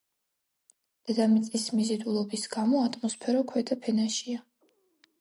დედამიწის მიზიდულობის გამო ატმოსფერო ქვედა ფენაშია